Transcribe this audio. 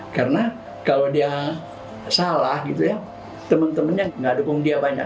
karena kalau dia salah gitu ya teman temannya nggak dukung dia banyak